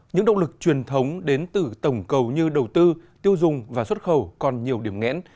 những động lực truyền thống đến từ tổng cầu như đầu tư tiêu dùng và xuất khẩu còn nhiều điểm nghẽn